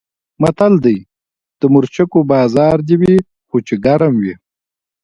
متل دی: د مرچکو بازار دې وي خو چې ګرم وي.